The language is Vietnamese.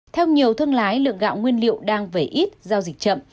theo nhiều thương lái lượng gạo nguyên liệu đang vẩy ít giao dịch chậm